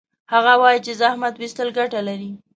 هغه وایي چې زحمت ویستل ګټه لري